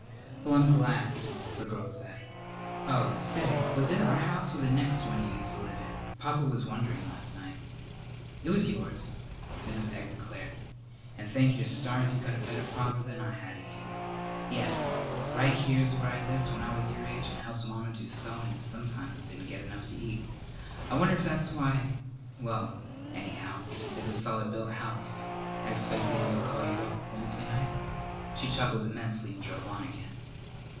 "Well, I'm glad," the girl said. "Oh, say, was it our house or the next one you used to live in? Papa was wondering last night." "It was yours," Mrs. Egg declared; "and thank your stars you've got a better father than I had, Edie. Yes, right here's where I lived when I was your age and helped Mamma do sewin', and sometimes didn't get enough to eat. I wonder if that's why well, anyhow, it's a solid built house. I expect Dammy'll call you up Wednesday night." She chuckled immensely and drove on again.